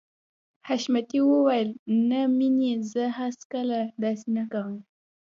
حشمتي وويل نه مينې زه کله هم داسې نه کوم.